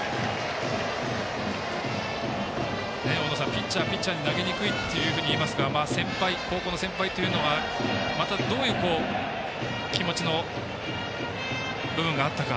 ピッチャーはピッチャーに投げにくいというふうにいいますが高校の先輩というのがまた、どういう気持ちの部分があったか。